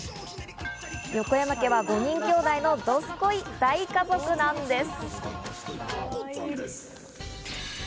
横山家は５人兄弟のどすこい大家族なんです。